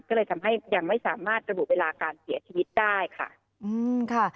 ก็เลยทำให้ยังไม่สามารถระบุเวลาการเสียชีวิตได้ค่ะอืมค่ะ